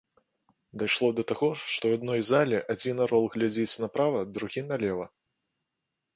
Дайшло да таго, што ў адной зале адзін арол глядзіць направа, другі налева!